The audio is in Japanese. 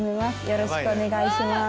よろしくお願いします。